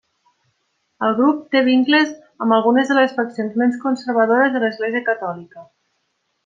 El grup té vincles amb algunes de les faccions més conservadores de l'Església catòlica.